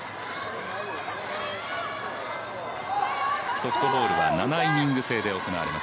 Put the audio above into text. ソフトボールは７イニング制で行われます。